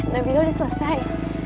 nabila udah selesai